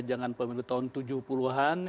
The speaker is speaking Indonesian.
jangan pemilu tahun tujuh puluh an